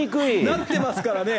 なってますからね。